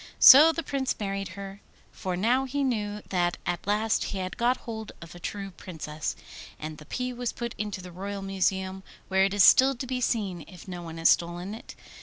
So the Prince married her, for now he knew that at last he had got hold of a true Princess. And the pea was put into the Royal Museum, where it is still to be seen if no one has stolen it.